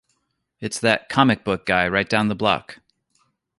It's that comic-book guy right down the block.